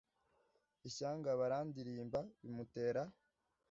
Ishyanga barandirimba bimutera